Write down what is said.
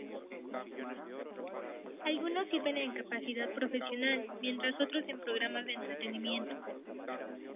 Algunos sirven en capacidad profesional, mientras otros en programas de entrenamiento.